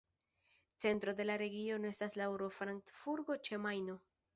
Centro de la regiono estas la urbo Frankfurto ĉe Majno.